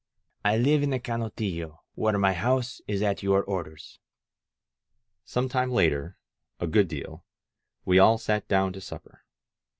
*^I live in the Canotillo, where my house is at your orders. ..." Some time later — a good deal — ^we all sat down to supper.